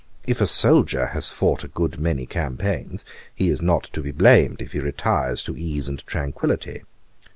If a soldier has fought a good many campaigns, he is not to be blamed if he retires to ease and tranquillity.